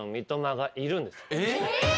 えっ！？